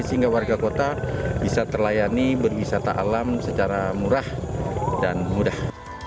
sehingga warga kota bisa terlayani berwisata alam secara murah dan mudah